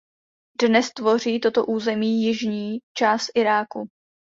Dnes tvoří toto území jižní část Iráku.